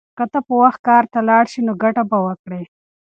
که ته په وخت کار ته لاړ شې نو ګټه به وکړې.